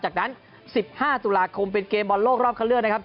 จากนั้น๑๕ตุลาคมเป็นเกมบอลโลกรอบเข้าเลือกนะครับ